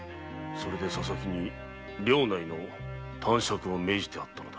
それで佐々木に領内の探索を命じてあったのだ。